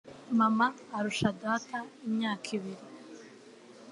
Mama arusha data imyaka ibiri.